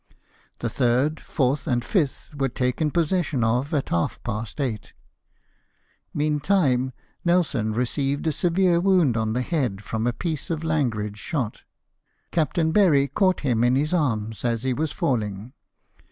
The third, fourth, and fifth were taken pos session of at half past eight. Meantime Nelson re ceived a severe wound on the head from a piece of langridge shot. Captain Berry caught him in his arms as he was falling.